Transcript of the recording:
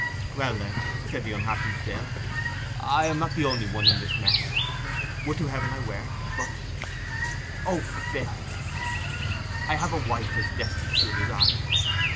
'Well, then,' said the unhappy Phil, 'I am not the only one in this mess. Would to Heaven I were! But—' 'O, Phil!' 'I have a wife as destitute as I.